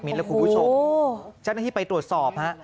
มินท์และคุณผู้ชมจากนั้นที่ไปตรวจสอบ